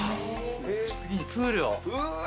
次にプールを。